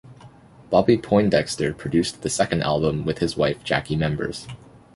Bobby Poindexter produced the second album with his wife Jackie Members.